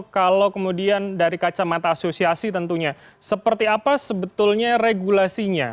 kalau kemudian dari kacamata asosiasi tentunya seperti apa sebetulnya regulasinya